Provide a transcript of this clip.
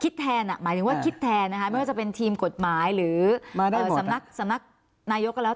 แทนหมายถึงว่าคิดแทนนะคะไม่ว่าจะเป็นทีมกฎหมายหรือสำนักสำนักนายกก็แล้ว